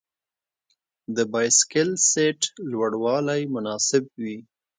د بایسکل سیټ لوړوالی مناسب وي.